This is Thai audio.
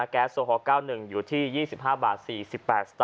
แก๊สโซฮอล์๙๑อยู่ที่๒๕๔๘บาท